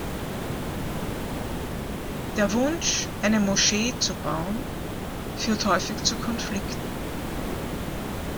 Der Wunsch, eine Moschee zu bauen, führt häufig zu Konflikten.